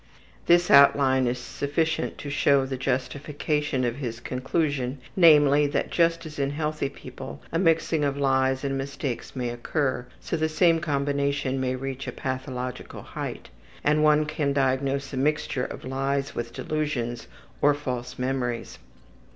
This outline is sufficient to show the justification of his conclusion, namely, that just as in healthy people a mixing of lies and mistakes may occur, so the same combination may reach a pathological height, and one can diagnose a mixture of lies with delusions or false memories.